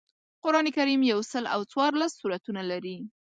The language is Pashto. قران کریم یوسل او څوارلس سورتونه لري